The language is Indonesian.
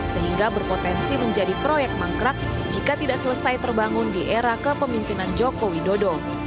sehingga berpotensi menjadi proyek mangkrak jika tidak selesai terbangun di era kepemimpinan joko widodo